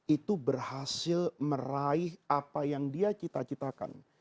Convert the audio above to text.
itu berhasil meraih apa yang dia cita citakan